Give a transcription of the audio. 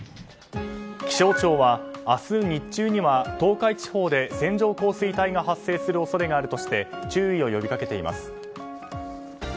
気象庁は、明日日中には東海地方で線状降水帯が発生する恐れがあるとして注意を呼び掛けています。